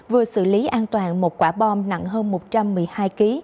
vừa xử lý an toàn một quả bom nặng hơn một trăm một mươi hai kg